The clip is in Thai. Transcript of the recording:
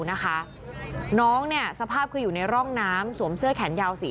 นะคะน้องเนี่ยสภาพคืออยู่ในร่องน้ำสวมเสื้อแขนยาวสี